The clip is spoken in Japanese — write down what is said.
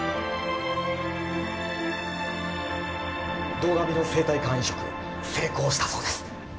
堂上の生体肝移植成功したそうです。